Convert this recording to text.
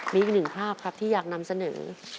มีอีกหนึ่งภาพครับที่อยากนำเสนอ